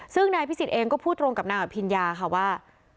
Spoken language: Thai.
ซึ่งนายพิสิทธิเองก็พูดตรงกับนางอภิญญาค่ะว่า